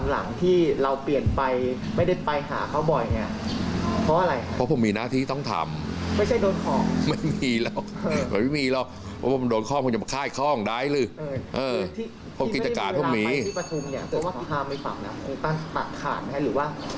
ละรักหากาหนริว่าก็ยังลักอยู่